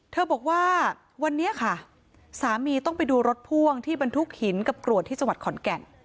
บอกว่าวันนี้ค่ะสามีต้องไปดูรถพ่วงที่บรรทุกหินกับกรวดที่จังหวัดขอนแก่น